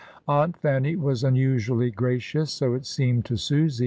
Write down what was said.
Aunt Fanny was unusually gracious (so it seemed to Susy).